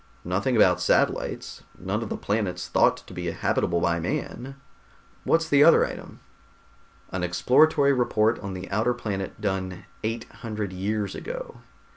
Nothing about satellites. None of the planets thought to be habitable by man. What's the other item?" "An exploratory report on the outer planet, done eight hundred years ago.